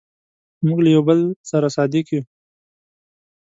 موږ له یو بل سره صادق یو.